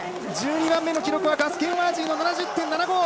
１２番目の記録はガス・ケンワージーの７０．７５。